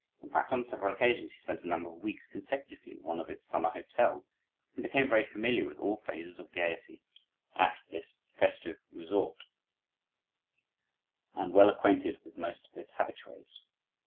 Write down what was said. In fact, on several occasions he spent a number of weeks consecutively at one of its summer hotels and became very familiar with all phases of gaiety at this festive resort and well acquainted with most of its habitués.